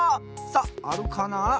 さああるかな？